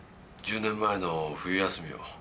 １０年前の冬休みを。